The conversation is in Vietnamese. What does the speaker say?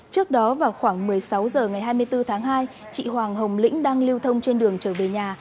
trước đó vào khoảng một mươi sáu h ngày hai mươi bốn tháng hai chị hoàng hồng lĩnh đang lưu thông trên đường trở về nhà